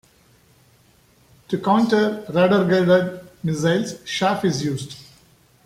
To counter radar-guided missiles, chaff is used.